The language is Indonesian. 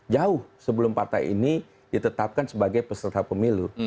jauh sebelum partai ini ditetapkan sebagai peserta pemilu